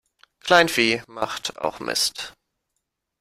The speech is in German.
Kleinvieh macht auch Mist.